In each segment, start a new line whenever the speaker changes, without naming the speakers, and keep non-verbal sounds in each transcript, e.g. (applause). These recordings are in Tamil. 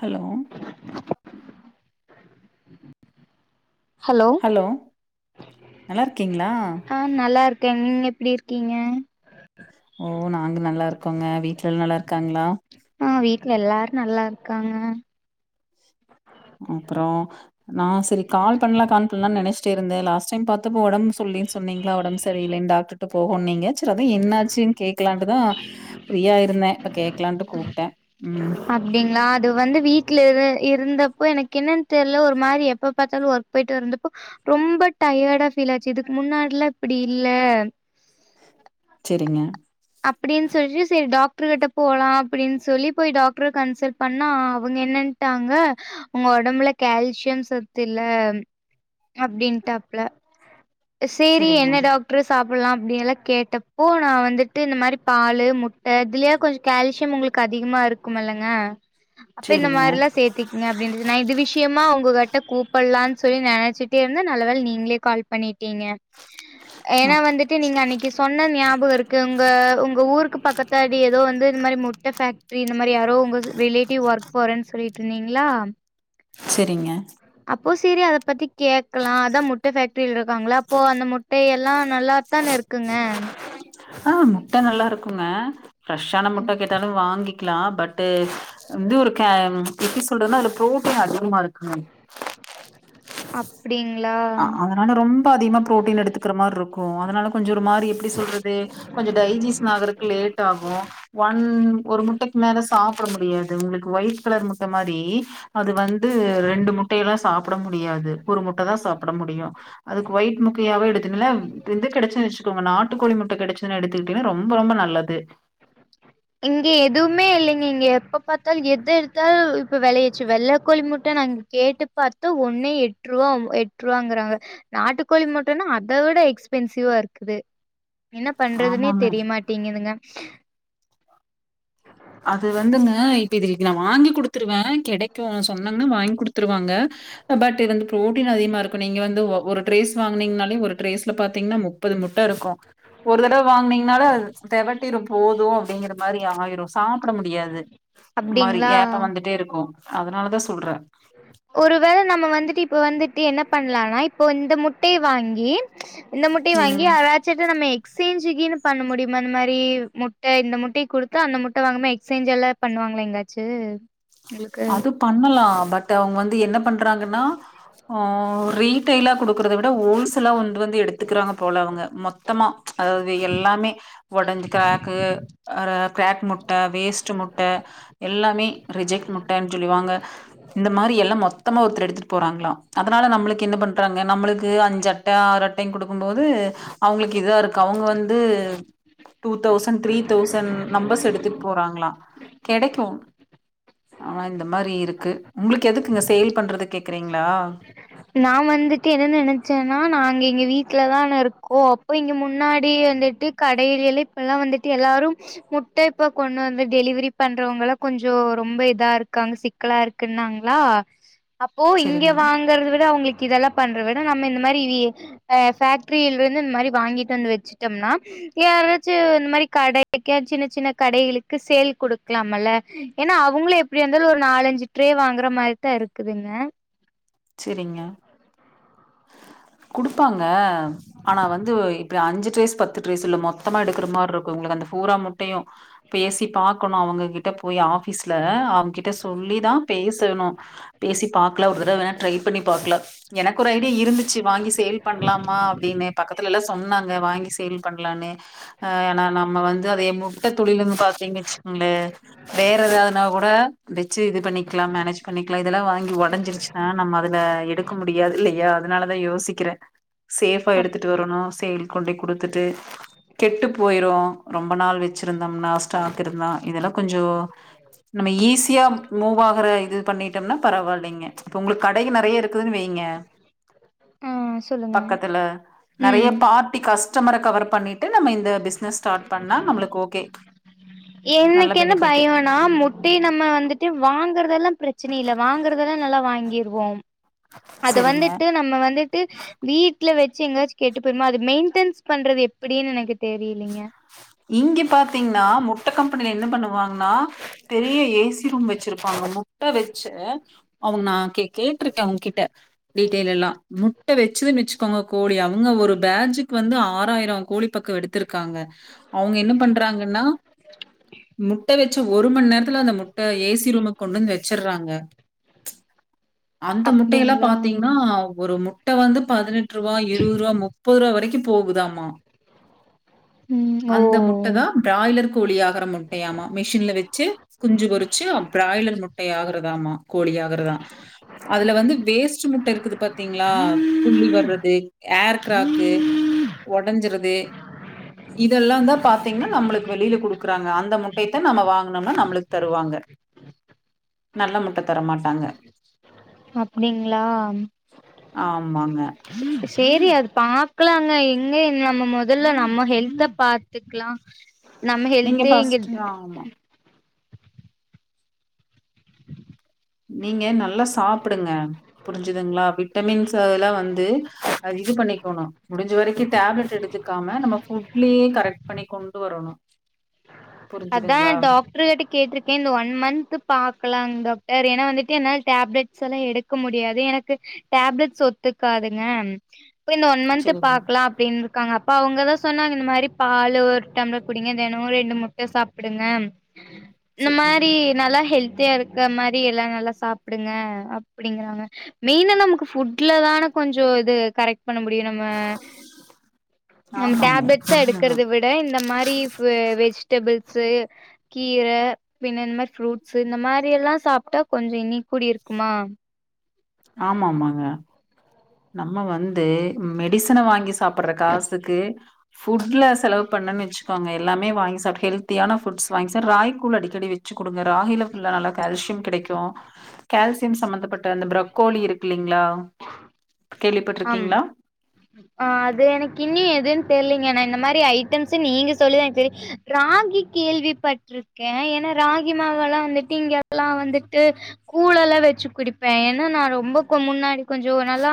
ஹலோ ஹலோ நல்லாருக்கீங்களா
நல்லாருக்கேன் நீங்க எப்படி இருக்கீங்க
ஓ நாங்க நல்லா இருக்கோங்க வீட்ல எல்லாம் நல்லா இருக்காங்ளா
ஆ வீட்ல எல்லாரு நல்லார்க்காங்க
அப்றோ நா செரி கால் பண்லா கால் பண்லான் நெனைச்சிட்டே இருந்தே லாஸ்ட் டைம் பாத்தப்போ ஒடம் சொல்லின் சொன்னீங்ளா ஒடம்பு சரியில்லைனு டாக்டர் போகுனுனிங்க சரி அதா என்னாச்சு கேக்கலான்ட்டுதா ஃப்ரீயா இருந்தே இப்ப கேக்கலான்ட்டு கூப்ட்டே ம்
அப்டிங்ளா அது வந்து வீட்ல இரு இருந்தப்போ எனக்கு என்னன் தெர்ல ஒரு மாரி எப்ப பாத்தாலு ஒர்க் போய்ட்டு வந்தப்போ ரொம்ப டயர்டா ஃபீல் ஆச்சு இதுக்கு முன்னாடில்லா இப்டி இல்ல
செரிங்க
அப்டின் சொல்லிட்டு செரி டாக்டருகிட்ட போலா அப்டின்னு சொல்லி சரி போய் டாக்டர கன்சல்ட் பண்ணா அவங்க என்னன் ட்டாங்க உங்க ஒடம்புல கேல்சியம் சத்து இல்ல அப்டின்டாப்ல சேரி
செரிங்க
என்ன டாக்டரு சாப்புட்லா அப்டின் எல்லா கேட்டப்போ நா வந்துட் டு இந்த மாரி பாலு முட்ட இதுலயே கொஞ்ச கேல்சிய உங்களுக்கு அதிகமா இருக்குமல்லங்க அப்ப இந்த
செரிங்க
மாரில்லா சேத்தி ங்க அப்டின் சொ நா இது விஷயமா ஒங்க கிட்ட கூப்பிட்லான்னு சொல்லி நெனைச்சிட்டே இருந்தே நல்ல வேல நீங்களே கால் பண்ணி டிங்க
ஆ
ஏன்னா வந்துட்டு நீங்க அன்னைக்கு சொன்ன ஞாபக இருக் கு உங்க உங்க ஊருக்கு பக்கத்து அடி ஏதோ வந்து இந்த மாரி முட்ட ஃபேக்ட்ரி இந்த மாரி யாரோ உங்க ரிலேட்டிவ் ஒர்க் போறேன் சொல்லிட்ருந்தீங்ளா
செரிங்க
அப்போ சேரி அத பத்தி கேக்கலா அதா முட்ட ஃபேக்ட்ரில இருக்காங்களா அப்போ அந்த முட்டை எல்லா நல்லாத்தான இருக்குங்க
ஆ முட்ட நல்லாருக்குங்க ஃப்ரெஷ்ஷான
ம்,
முட்ட கேட்டாலு வாங்கி க்லா பட்டு வந்து ஒரு க எப்டி சொல்றதுனா அதுல ப்ரோட்டீன் அதிகமா இருக்குணு
அப்டிங்ளா
ஆனா ரொம்ப அதிகமா ப்ரோட்டீன் எடுத்துக்கிற மாரி இருக்கு அதனால கொஞ்ச ஒரு மாரி எப்டி சொல்றது கொஞ்ச டைஜிசன் ஆகுறக்கு லேட் ஆகு ஒன் ஒரு முட்டைக்கு மேல சாப்ட முடியாது ஒங்ளுக்கு ஒயிட் கலர் முட்ட மாரி அது வந்து ரெண்டு முட்டையெல்லா சாப்பிட முடியாது ஒரு முட்டதா சாப்பிட முடியு அதுக்கு ஒயிட் முக்கியாவே எடுத்துன்ல இது கடச்ச உங்க நாட்டுக் கோழி முட்ட கெடைச்சதுன்னு எடுத்துக்கிட்டீங்கன்னா ரொம்ப ரொம்ப நல்லது
இங்க எதுமே இல்லங்க இங்க எப்ப பாத்தாலு எது எடுத்தாலு இப்ப வெளையச்சு வெள்ள கோழி முட்ட நாங்க கேட்டு பாத்து ஒன்னு எட்ருவா எட்ருவாங்கிறாங்க நாட்டுக்கோழி முட்டனா அதவிட எக்ஸ்பென்சிவ்வா இருக்குது என்ன பண்றதுன்னே
ஆமாங்க
தெரியமாட்டேங்குதுங்க
அது வந்துங்க இப்ப இது இன்னக்கி நா வாங்கி குடுத்துருவே கெடைக்கு சொன்னோம்னா வாங்கி குடுத்துருவாங்க பட் இருந்து ப்ரோட்டீன் அதிகமா இருக்கு நீங்க வந்து ஒரு ட்ரேஸ் வாங்கனீங்கனாலே ஒரு ட்ரேஸ்ல பாத்தீங்கன்னா மு ப்பது முட்ட இருக்கு ஒரு தடவை வாங்கனீங்கனால அது தெவட்டிடு போது அப்டிங்கிற மாரி ஆயிரு சாப்பிட முடியாது மாரி
அப்டிங்களா
ஏப்ப வந்துட்டே இருக்கு அதனாலதா சொல்றே
ஒருவேள நம்ம வந்துட்டு இப்ப வந்துட்டு என்ன பண்லானா இப்ப இந்த முட்டயை வாங்கி இந்த முட்டய வாங்கி
ம்.
ஆராயி ச்சி நம்ம எக்ஸ்சேஞ்சுக்குன்னு பண்ண முடியுமா இந்த மாரி முட்ட இந்த முட்டய குடுத்தா அந்த முட்டைய வாங்க எக்ஸ்சேஞ்ச் எல்லா பண்ணுவாங்கள எங்காச்சு எங்களுக்கு
பண்ணலா பட் அவங்க வந்து என்ன பண்றாங்கன்னா ரீ ரீடேலா குடுக்கறத விட ஓல்சல்லா வந் வந்து எடுத்துக்கிறாங்க போலவங்க மொத்தமா அதாவது எல்லாமே ஒடஞ்ச க்ரக்கு ஆ க்ரக் முட்ட வேஸ்ட்டு முட்ட எல்லாமே ரிஜெக்ட் முட்டன் சொல்லிவாங்க இந்த மாரி எ எல்லா மொத்தமா ஒருத்தர் எடுத்துட்டு போறாங்ளா அதனால நம்மளுக்கு என்ன பண்றாங்க நம்மளுக்கு அஞ்சட்ட ஆறு அட் டைன் குடுக்கும்போது அவங்களுக்கு இதா இருக்கு அவங்க வந்து two thousand three thousand numbers எடுத்துட்டு போறாங்களா கெடைக்கு ஆனா இந்த மாரி இருக்கு உங்களுக்கு எதுக்குங்க சேல் பண்றதுக் கேக்குறீங்ளா
நா வந்துட்டு என்னன்னு நெனச்சன்னா நாங்க இங்க வீட்ல தா இருக்கோ அப்போ இங்க முன்னாடி வந்துட்டு கடைகள்ல இப்பல்லா வந்துட்டு எல்லாரும் முட்ட இப்ப கொண்டு வந்து டெலிவரி பண்றவங்கள கொஞ்சோ ரொம்ப இதா இருக்காங்க சிக் க்கலா இருக்குன்னாங்ளா அப்போ இங்க
சரிங்க,
வாங் கறத விட அவங்களுக்கு இதெல்லா பண்ற விட நம்ம இந்த மாரி வி அ பேஃக்ட்ரியில இருந்து இந்த மாரி வாங்கிட்டு வந்து வச்சுட்டம்னா யாராச்சு இந்த மாரி கடைக்கு சின்ன சின்ன கடைகளுக்கு சேல் குடுக்கலாம்ல ஏன்னா அவங்களு எப்டி இருந்தாலு ஒரு நாலஞ்சு ட்ரே வாங்குற மாரிதா இருக்குதுங்க
சேரிங்க குடுப்பாங்க ஆனா வந்து இப்ப அஞ்சு ட்ரேஸ் பத்து ட்ரேஸ் இல்ல மொத்தமா எடுக்கிற மாரி இருக்குங்க அந்த பூரா முட்டையு பேசி பாக்கணு அவங்ககிட்ட போய் ஆபீஸ்ல அவங்கிட் கிட்ட சொல்லிதா பேசணு பேசி பாக்கல ஒரு தடவ வேணா ட்ரை பண்ணி பாக்கல எனக்கு ஒரு ஐடியா இருந்துச்சி வாங்கி சேல் பண்லாமா அப்டின்னு பக்கத்துலல்லா சொன்னாங்க வாங்கி சேல் பண்லான்னு அ நா நம்ம வந்து அத முட்ட தொழிலுன் பாத்தீங்க வச்சுகங்கள வேற எதாதுனா கூட வச்சு இது பண்ணிக்லா மேனேஜ் பண்ணிக்லா இதெல்லா வாங்கி ஒடஞ்சிருச்சு னா நம்ம அதுல எடுக்க முடியாது இல்லயா அதனால தா யோசிக்கிற சேஃபா
அப்
எடுத்துட்டு வரணு சே கொண்டோய் குடுத்துட்டு கெட்டு போயிரு ரொம்ப நாள் வச்சிருந்தம்னா ஸ்டாக் இருந்தா இதெல்லா கொஞ்சோ நம்ம ஈஸியா மூவ் ஆகற இது பண்ணிட்டம்னா பரவால்லைங்க உங்ளுக்கு கடையு நறைய இருக்குதுன் வைங்க
ஆ சொல்லுங்க
பக்கத்துல நறைய
ம்
பா பார்ட்டி கஸ்டமர கவர் பண்ணிட்டு நம்ம இந்த பிஸ்னஸ் ஸ்டார்ட் பண்ணா நம்மளுக்கு ஓகே நல்ல
என்னக்கென்ன
பெனிஃபிட்
பயோ னா முட்டை நம்ம வந்துட்டு வாங்கறதெல்லா பிரச்சனை இல்ல வாங்கறதெல்லா நல்லா வாங்கிருவோம் அது
சரிங்க
வந்துட்டு நம்ம வந்து டு வீட்ல வச்சு எங்காச்சு கெட்டு போய்ருமோ அது மெய்ன்டென்ஸ் பண்றது எப்டின்னு எனக்கு தெரிலிங்க
இங்க பாத்தீங்னா முட்ட கம்பெனில என்ன பண்ணுவாங்னா பெரிய ஏசி ரூம் வச்சிருப்பாங்க முட்ட வச்சு அவுங் நா கே கேட்ருக்க அவங் கிட்ட டீட்டெய்ல் எல்லா முட்ட வச்சுதுன் வச்சுக்கங்க கோழி அங்க ஒரு பேஜுக்கு வந்து ஆறாயிரோ கோழி பக்கோ எடுத் துருக்காங்க அவங்க என்ன பண்றாங்கன்னா முட் முட்ட வச்ச ஒரு மண் நேரத்துல அந்த முட்ட ஏசி ரூமுக் கொண்டந்து வச்சிறாங்க அந்த முட்டையெல்லா
அப்டிங்களா
பாத்தீங்னா ஒரு முட்ட வந்து பதினெட் ரூவா இருவரூவா முப் முப்பதுரூவா வரைக்கு போகுதாமா
ம் ஓ
அந்த முட்ட தா ப்ராய்லர் கோழி ஆகுற முட்டயாமா மிஷின்ல வச்சு குஞ்சு பொறிச்சு பிராய்லர் முட்டையாகுறதாம கோழி ஆகறதா அதுல வந்து வேஸ்ட் முட்டை இருக்குது பாத்தீங்ளா புள்ளி வர்றது ஏர் கிராக்கு உடஞ்சற்றது இதெல்லா தா பாத்தீங்கன்னா நம்மளுக்கு வெளில குடுக்கறாங்க அந்த முட்டையத்தா நம்ம வாங்குனம்னா நம்மளுக்கு தருவாங்க நல்ல முட்டை தரமாட்டாங்க
அப்டிங்ளா
ஆமாங்க.
சேரி அது பாக்கலாங்க எங்கங்க நம்ம மொதல்ல நம்ம ஹெல்த பாத்துக்கலா நம்ம
நீங்க
ஹெல்தே இங்க
ஃபர்ஸ்ட் ஆமா நீங்க நல்லா சாப்புடுங்க புரிஞ்சுதுங்ளா விட்டமின்ஸ் து அதெல்லா வந்து இது பண்ணிக்கணு முடிஞ்ச வரைக்கு டேப்லெட் எடுத்துக்காம நம்ம ஃபுட் லயே கரெக்ட் பண்ணி கொண்டு வரணு
அத்தா டாக்டரு கிட்ட கேட்ருக் கே இந்த ஒன் மந்த்த் பாக்கலாங்க வேற ஏனா வன்ட்டு என்னால டேப்லெட்ஸ் எல்லா எடுக்க முடியாது எனக்கு டேப்லெட்ஸ் ஒத்துக்காதுங்க இப்ப இந்த ஒன் மந்த்
சரிங்க.
பாக்கலா அப்டிந்து க்காங்க அப்ப அவங்கதா சொன்னாங்க இந்த மாறி பாலு ஒரு டம்ளர் குடிங்க தெனோ ரெண்டு முட் டை சாப்புடுங்க இந்த
சரிங்க.
மாதி நல்லா ஹெல்த்தியா இருக்க மாறி எல்லா நல்லா சாப்புடுங்க அப்டிங்கறாங்க மெயினா நமக்கு ஃபுட்ல தான கொஞ்சோ இது கரெக்ட் பண்ண முடியு நம்ம நம்ம
ஆமாங்க.
டேப்லெட்ஸா எடுக்கறத வி ட இந்த மாறி ஃப வெஜிடபிள்ஸ்சு கீரை பின்ன இந்த மாறி ஃப்ரூட்ஸ்சு இந்த மாறி எல்லா சாப்ட்டா கொஞ்வே இனி கூடி இருக்குமா
ஆமா ஆமாங்க நம்ம வந்து மெடிசனை வாங்கி சாப்புட்ற காசுக்கு ஃபுட்ல செலவு பண்ணோன்னு வச்சுக்கோங்க எல்லாமே வாங்கி சாப்ட்டு ஹெல்த்தியான ஃபுட்ஸ் வாங்கி சாப்ட் ராகி கூழ் அடிக்கடி வச்சு குடுங்க ராகில புல்லா நல்லா கால்சியம் கெடைக்கும் கெல்சியம் சம்பந்தப்பட்ட அந்த ஃப்ரக்கோலி இருக்கு இல்லைங்ளா
ஆமா
கேள்விப்பட்டிருக்கீங்ளா
ஆ அது எனக்கு இன்னியு எதுன்னு தெரியலீங்க நா இந்த மாறி ஐட்டம்ஸ் நீங்க சொல்லி தா எனக்கு தெரியு ராகி கேள்விப்பட்டிருக்கே ஏன்னா ராகி மாவல்லா வந்துட்டு இங்க எல்லா வந்துட்டு கூழ் எல்லா வச்சு குடிப்பே ஏன்னா நா ரொம்பக்க முன்னாடி கொஞ்சோ நல்லா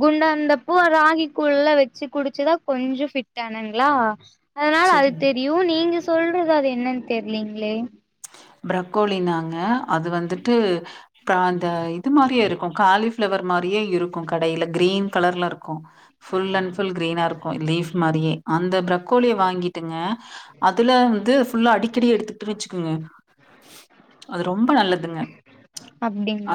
குண்டா இருந்தப்ப ராகி கூழ் எல்லா வச்சு குடிச்சுதா கொஞ்சோ ஃபிட் ஆனேங்ளா அதனால அது
சரிங்க.
தெரியு நீங்க சொல்றது அது என்னன்னு தெரியலீங்களே
ஃப்ரகோலினாங்க அது வந்துட்டு அ அந்த இது மாறியே இருக்கும் காலிஃபிளவர் மாறியே இருக்கும் கடையில கிரீன் கலர்ல இருக்கும் ஃபுல் அண்ட் ஃபுல் கிரீனா இருக்கும் லீஃப் மாறியே அந்த ஃப்ரக்கோலிய வாங்கிட்டுங்க அதுல வந்து ஃபுல்லா அடிக்கடி எடுத்துகிட்டேனு வச்சுக்குங்க அது ரொம்ப நல்லதுங்க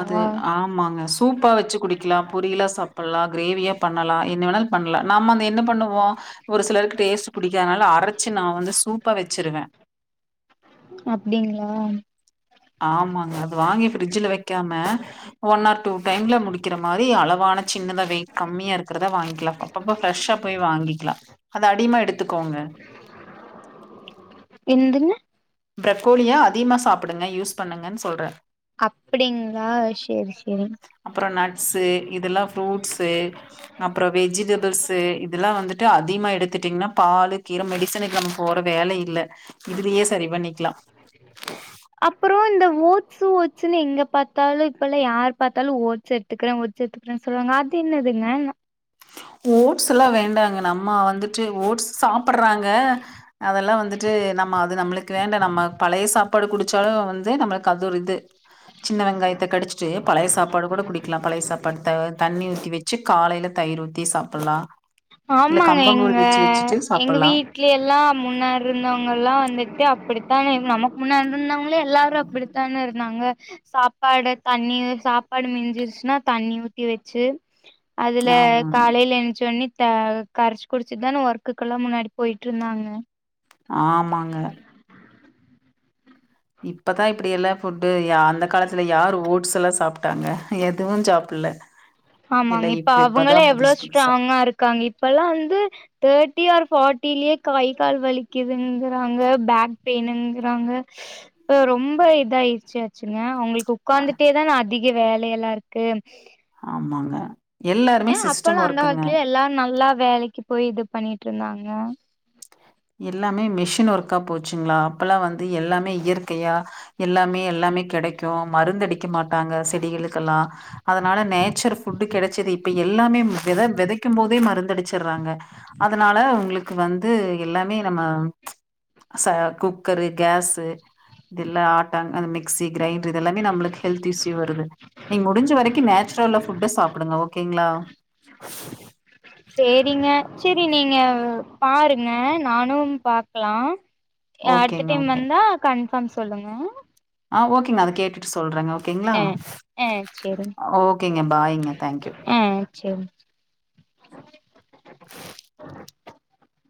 அது ஆ மாங்க சூப்பா வச்சு குடிக்கலா பொரியலா சாப்பட்லா கிரேவியா பண்ணலா என்ன வேணாலு பண்லா நாம்ம அத என்ன பண்ணுவோ ஒரு சிலருக்கு டேஸ்ட்டு புடிக்கானால அரைச்சு நா வந்து சூப்பா வச்சிருவே
அப்டிங்ளா
ஆமாங்க அது வாங்கி ஃபிரிட்ஜில‌ வெக்காம ஒன் ஆர் டூ டைம்ல முடிக்கிற மாறி அளவான சின்னதா வெயிட் கம்மியா இருக்கிறதா வாங்கிக்கலா அப்ப அப்பப்ப ஃபிரஷ்சா போய் வாங்கிக்கலா அது அடிமா எடுத்துக்கோங்க
என்துங்க
ஃப்ரக்கோலியா அதிகமா சாப்புடுங்க யூஸ் பண்ணுங்கன்னு சொல்றே
அப்டிங்களா சேரி சேரி
அப்றோம் நட்ஸு இதெல்லாம் ஃப்ரூட்ஸு அப்றோம் வெஜிடபிள்ஸ் இதெல்லாம் வந்துட் அதிகமா எடுத்துட்டிங்கனா பால் கீரை மெடிசனுக்கு நம்ம போற வேலை இல்ல இதுலயே சரி பண்ணிக்கலா
அப்றோம் இந்த ஓட்ஸு ஓச்சுன்னு எங்க பாத்தாலும் இப்பல்லா யார் பாத்தாலும் ஓடஸ் எடு எத்துக்கிறே ஒட்ஸ் எத்துக்கறே சொல்லுவாங்க அது என்னதுங்க
ஓட்ஸ்ல்லா வேண்டாங்க நம்ம வந்துட்டு ஓட்ஸ் சாப்றாங்க அதெல்லாம் வந்துட்டு நம்ம அது நம்மளுக்கு வேண்டா நம்ம பழைய சாப்பாடு குடிச்சாலும் வந்து நம்மளுக்கு அது இது சின்ன வெங்காயத்த கடிச்சிட்டு பழைய சாப்பாடு கூட குடிக்கலாம் பழைய சாப்பாடு தண்ணி ஊத்தி வச்சு காலையில தயிர் ஊத்தி சாப்டலா
ஆமாங்க எங்க எங்க
சாப்பிடலாம்.
வீட் வீட்ல எல்லா முன்னாடி இருந்தவங்க எல்லாம் வந்துட்டு அப்டித்தா நமக்கு முன்னாடி இருந்தவங்கலா எல்லாரும் அப்டித்தான இருக்கு தாங்க சாப்பாடு தண்ணி சாப்பாடு மிஞ்சிருச்சுனா தண்ணி ஊத்தி வச்சு அதுல
ஆமாங்க.
காலையில எந்ச்சோன்னே அ கரச்சு குடிச்சிதான ஒர்க்குக்குல்லா முன்னாடி போய்ட்டு இருந்தாங்க
ஆமாங்க இப்பதா இப்படி எல்லா ஃபுட்டு அந்த காலத்துல யார் ஓட்ஸ்லா சாப்ட்டாங்க எதுவு சாப்ல (inaudible)
ஆமாங்க இப்ப அவுங்களே எவ்ளோ ஸ்ராங்கா இருக்காங்க இப்ப எல்லா வந்து தட்டி ஆர் ஃபார்ட்டிலயே கை கால் வலிக்குதுங்றாங்க பேக் பெயினுங்றாங்க இப்ப ரொம்ப இதாயிடுச்சு ஆச்சுங்க உங்களுக்கு உக்காந்துட்டே தா அதிக வேல எல்லா இருக்கு
ஆமாங்க எல்லாருமே
ஏ
சிஸ்டம்
அப்பல்லாம் அந்த
ஒர்க்குங்க.
காலத்துலயே எல்லாரும் நல்லா வேலக்கு போய் இது பண்ணிட் இருந்தாங்க
எல்லாமே மிஷின் ஒர்க்கா போச்சுங்ளா அப்பல்லா வந்து எல்லாமே இயற்கையா எல்லாமே எல்லாமே கெடைக்கு மருந்தடிக்க மாட்டாங்க செடிகளுக்கெல்லா அதனால நேச்சர் ஃபுட்டு் கெடச்சது இப்ப எல்லாமே வித விதைக்கும் போதே மருந்து அடிச்சுடுறாங்க அதனால உங்களுக்கு வந்து எல்லாமே நம்ம ச குக்கரு கேஸ் இதெல்லா ஆட்டாங் அந்த மிக்ஸ்சி கிரைண்டர் இதெல்லாமே நம்மளுக்கு ஹெல்த் இஸ்யூ வருது நீங்க முடிஞ்ச வரைக்கு நேச்சுரல்லா ஃபுட்ட சாப்டுங்க ஓகேங்ளா
சேரிங்க சேரி நீங்க பாருங்க நானும் பாக்கலாம் அடுத்த
ஓகேங்க,
டைம்
ஓகே.
வந்தா கன்ஃபாம் சொல்லுங்க
ஆ ஓகே மா அத கேட் ட்டு சொல்றேங்க ஓகேங்ளா
ஆ ஆ சேரிங்க
ஓகேங்க பாய்ங்க தன்க்யூ
சேரி